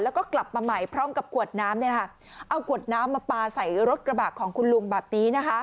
แล้วก็กลับมาใหม่พร้อมกับขวดน้ำเอาขวดน้ำมาปลาใส่รถกระบะของคุณลุงแบบนี้